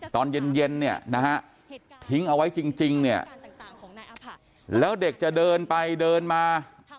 ตอนเย็นทิ้งเอาไว้จริงแล้วเด็กจะเดินไปเดินมา